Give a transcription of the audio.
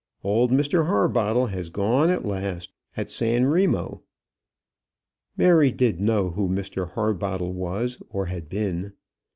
Old Mr Harbottle has gone at last at San Remo." Mary did know who Mr Harbottle was, or had been.